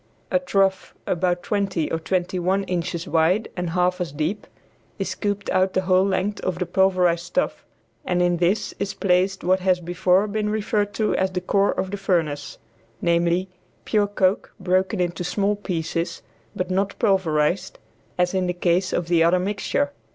A trough, about twenty or twenty one inches wide and half as deep, is scooped out the whole length of the pulverized stuff, and in this is placed what has before been referred to as the core of the furnace, namely, pure coke broken into small pieces, but not pulverized, as in the case of the other mixture.